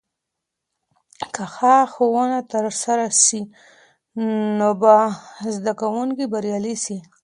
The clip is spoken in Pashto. که ښه ښوونه ترسره سي، نو به زده کونکي بريالي سي.